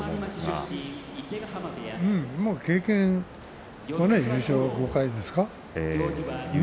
もう経験はね優勝５回ですか。